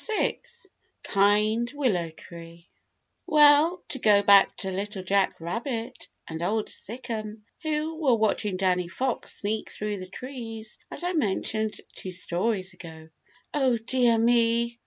THE KIND WILLOW TREE Well, to go back to Little Jack Rabbit and Old Sic'em, who were watching Danny Fox sneak through the trees, as I mentioned two stories ago. "Oh dear me!